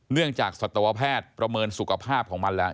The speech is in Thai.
จากสัตวแพทย์ประเมินสุขภาพของมันแล้ว